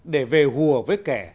để về hùa với kẻ